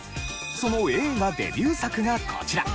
その映画デビュー作がこちら。